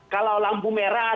kalau lampu merah